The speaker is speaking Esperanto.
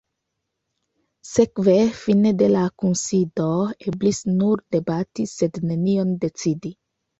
Sekve fine de la kunsido eblis nur debati, sed nenion decidi.